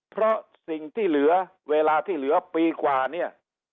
เพราะสิ่งที่เหลือเวลาที่เหลือปีกว่าเนี่ย